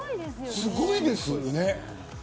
すごいですね。